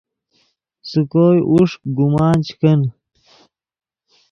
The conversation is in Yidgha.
سے کوئے اوݰک گمان چے کن